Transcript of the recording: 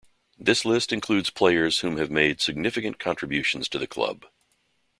This list includes players whom have made significant contributions to the club.